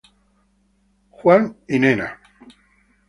Jones" y "Nena".